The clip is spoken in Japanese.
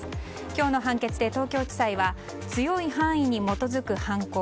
今日の判決で東京地裁は強い範囲に基づく犯行。